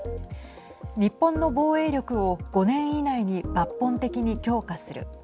日本の防衛力を５年以内に抜本的に強化する。